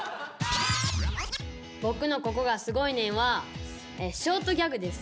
「僕のココがすごいねん！」はショートギャグです。